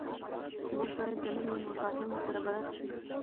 موږ باید د نویو مفاهیمو سره بلد شو.